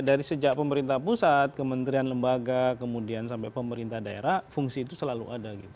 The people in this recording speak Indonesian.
dari sejak pemerintah pusat kementerian lembaga kemudian sampai pemerintah daerah fungsi itu selalu ada gitu